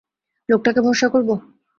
লোকটাকে ভরসা করব?